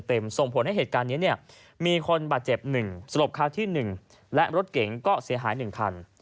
ส่งผลให้เหตุการณ์นี้เนี่ยมีคนบาดเจ็บ๑สลบคราวที่๑และรถเก๋งก็เสียหาย๑คัน